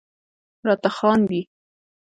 راته خاندي..